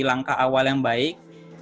langkah awal yang baik